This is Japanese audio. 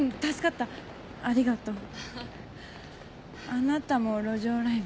あなたも路上ライブ？